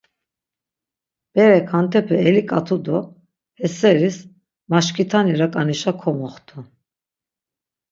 Berek hantepe eliǩatu do he seris maşkitani raǩanişa komoxtu.